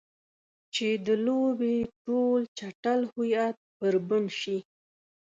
چې د لوبې ټول چټل هویت بربنډ شي.